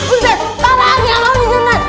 ustadz takut lagi gak mau disunat